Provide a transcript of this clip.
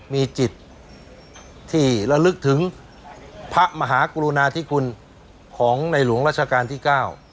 มีจิตที่ระลึกถึงพระมหากรุณาธิคุณของในหลวงราชการที่๙